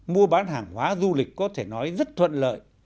mua bán hàng hóa du lịch có thể nói rất thuận lợi